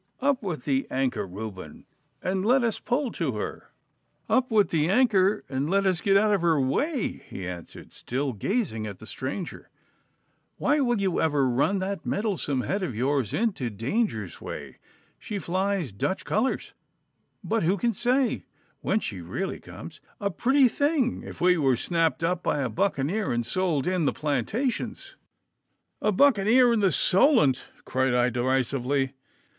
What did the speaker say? Up with the anchor, Reuben, and let us pull to her.' 'Up with the anchor and let us get out of her way,' he answered, still gazing at the stranger. 'Why will you ever run that meddlesome head of yours into danger's way? She flies Dutch colours, but who can say whence she really comes? A pretty thing if we were snapped up by a buccaneer and sold in the Plantations!' 'A buccaneer in the Solent!' cried I derisively.